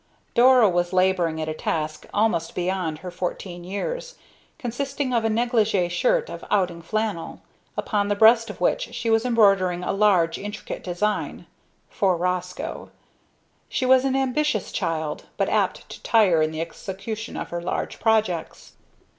Dora was laboring at a task almost beyond her fourteen years, consisting of a negligee shirt of outing flannel, upon the breast of which she was embroidering a large, intricate design for Roscoe. She was an ambitious child, but apt to tire in the execution of her large projects.